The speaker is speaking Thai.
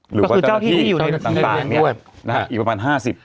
ก็คือเจ้าที่อยู่ในนักศึกษาภาคอีกประมาณ๕๐